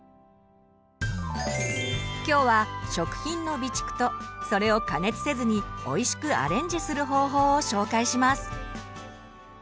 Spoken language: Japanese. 今日は食品の備蓄とそれを加熱せずにおいしくアレンジする方法を紹介します。